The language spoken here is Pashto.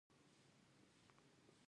زه د جملو پر کټلو ډېر بوخت وم.